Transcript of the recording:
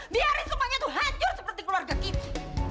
biarin tuh hancur seperti keluarga kita